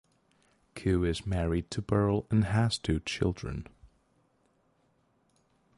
Koo is married to Pearl and has two children.